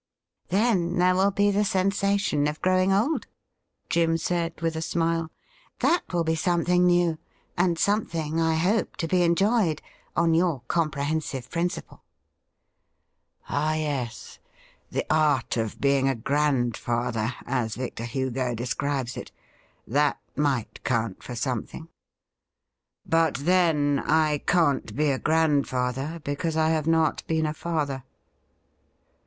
' Then there will be the sensation of growing old,' Jim said, with a smile. 'That will be something new, and something, I hope, to be enjoyed — on your comprehensive principle,' SIR FRANCIS ROSE 141 *Ah, yes — the art of being a grandfather, as Victor Hugo describes it, that might count for something. But, then, I can't be a grandfather, because I have not been a father.'